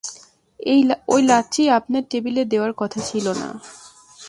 ওই লাচ্চি আপনার টেবিলে দেওয়ার কথা ছিল না?